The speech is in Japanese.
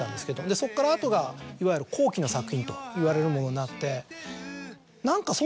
そこから後がいわゆる後期の作品といわれるものになって。